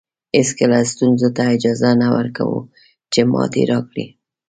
هېڅکله ستونزو ته اجازه نه ورکوو چې ماتې راکړي.